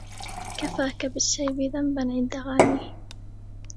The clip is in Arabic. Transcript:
كفاك بالشيب ذنبا عند غانية